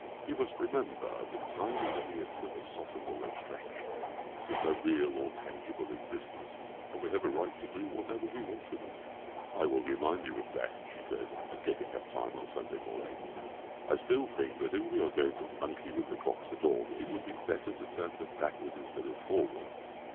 You must remember that time is only a philosophical abstraction, with no real or tangible existence, and we have a right to do whatever we want with it." "I will remind you of that," she said, "at getting up time on Sunday morning. I still think that if we are going to monkey with the clocks at all it would be better to turn them backward instead of forward.